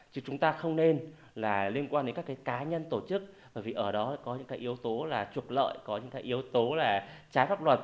chứ chúng ta không nên liên quan đến các cá nhân tổ chức bởi vì ở đó có những yếu tố là trục lợi có những yếu tố là trái pháp luật